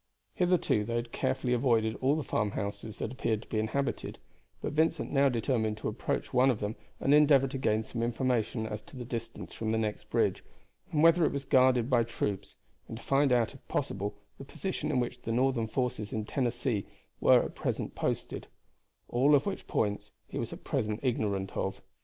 Hitherto they had carefully avoided all the farmhouses that appeared to be inhabited; but Vincent now determined to approach one of them and endeavor to gain some information as to the distance from the next bridge, and whether it was guarded by troops, and to find out if possible the position in which the Northern forces in Tennessee were at present posted all of which points he was at present ignorant of.